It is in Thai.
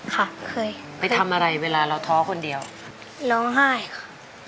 เคยไปทำอะไรเวลาเราท้อคนเดียวร้องไห้ค่ะ